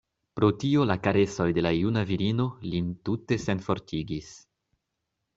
Pro tio la karesoj de la juna virino lin tute senfortigis.